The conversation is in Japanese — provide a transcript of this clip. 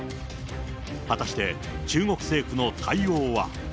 果たして中国政府の対応は。